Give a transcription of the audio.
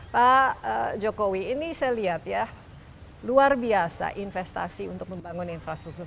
pak jokowi ini saya lihat ya luar biasa investasi untuk membangun infrastruktur